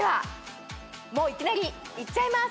もういきなりいっちゃいます。